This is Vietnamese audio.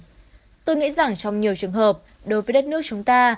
ông trump nói rằng trong nhiều trường hợp đối với đất nước chúng ta